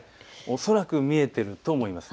恐らく見えていると思います。